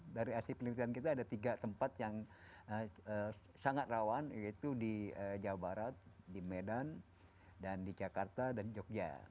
dari hasil penelitian kita ada tiga tempat yang sangat rawan yaitu di jawa barat di medan dan di jakarta dan jogja